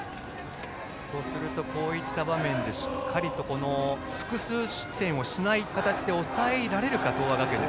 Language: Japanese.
そうするとこういった場面でしっかりと複数失点をしない形で抑えられるか、東亜学園。